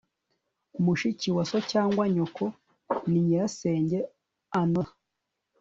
mushiki wa so cyangwa nyoko ni nyirasenge anon